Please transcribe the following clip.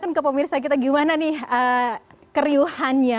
kan ke pemirsa kita gimana nih keriuhannya